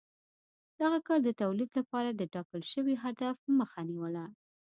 دغه کار د تولید لپاره د ټاکل شوي هدف مخه نیوله